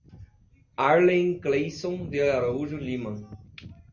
Arlen Cleisson de Araújo Lima